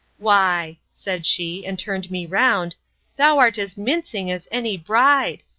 —Why, said she, and turned me round, thou art as mincing as any bride!